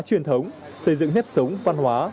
truyền thống xây dựng nếp sống văn hóa